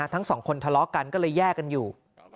ทั้งสองคนทะเลาะกันก็เลยแยกกันอยู่